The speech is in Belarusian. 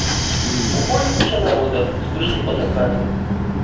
У холе куча народа, успышкі фотакамер.